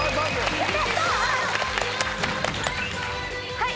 はい。